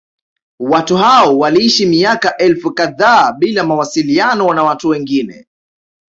Watu hao waliishi miaka elfu kadhaa bila mawasiliano na watu wengine